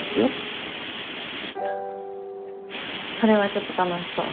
それはちょっと楽しそう。